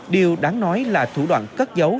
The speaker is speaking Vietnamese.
điều đáng nói là thủ đoạn cất dấu